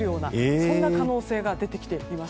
そんな可能性が出てきています。